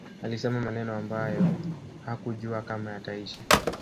alisema maneno ambayo hakujua kama yataishi